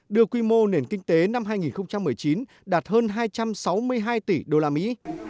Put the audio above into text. đưa quy mô nền kinh tế năm hai nghìn một mươi chín đạt hơn hai trăm sáu mươi hai tỷ đô la mỹ